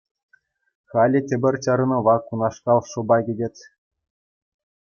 Халӗ тепӗр чарӑнӑва кунашкал шӑпа кӗтет.